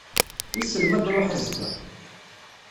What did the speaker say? Wissen ma ad d-truḥ azekka?